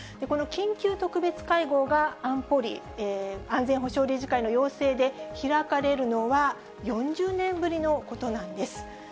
この緊急特別会合が安保理・安全保障理事会の要請で開かれるのは、４０年ぶりのことなんです。